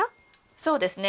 そうですね。